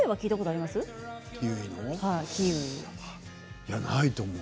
いや、ないと思う。